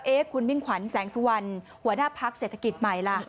คุณมิ่งขวัญแสงสุวรรณหัวหน้าพักเศรษฐกิจใหม่ล่ะ